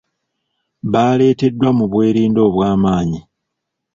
Baleeteddwa mu bwerinde obwamaanyi.